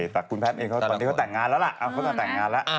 ใส่คุณแพทย์เองเค้าตั้งแต่งงานแล้วล่ะ